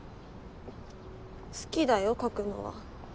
好きだよ描くのは。